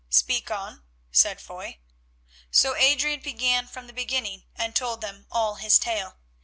"Speak on," said Foy. So Adrian began from the beginning, and told them all his tale.